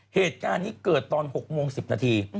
เหตุการณ์นี้เกิดตอน๖โมง๑๐นาที